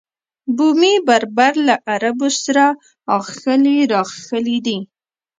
بومي بربر له عربو سره اخښلي راخښلي دي.